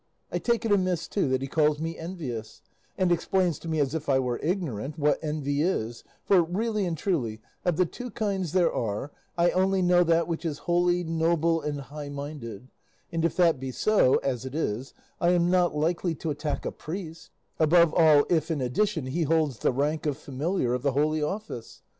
I take it amiss, too, that he calls me envious, and explains to me, as if I were ignorant, what envy is; for really and truly, of the two kinds there are, I only know that which is holy, noble, and high minded; and if that be so, as it is, I am not likely to attack a priest, above all if, in addition, he holds the rank of familiar of the Holy Office.